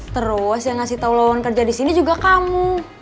terus yang ngasih tau lawan kerja disini juga kamu